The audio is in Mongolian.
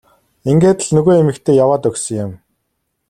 Ингээд л нөгөө эмэгтэй яваад өгсөн юм.